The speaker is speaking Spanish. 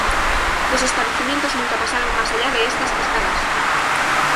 Los Establecimientos nunca pasaron más allá de estas cascadas.